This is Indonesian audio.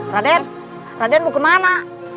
raden raden mau kemana